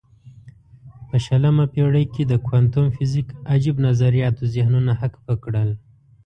په شلمه پېړۍ کې د کوانتم فزیک عجیب نظریاتو ذهنونه هک پک کړل.